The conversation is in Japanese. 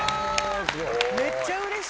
めっちゃうれしい！